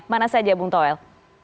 mana saja bung toel